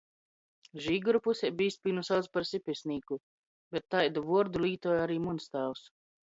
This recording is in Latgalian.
Žīguru pusē bīzpīnu sauc par sipisnīku, bet taidu vuordu lītuoja ari muns tāvs.